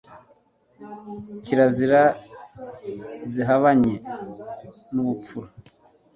kirazira zihabanye n'ubupfura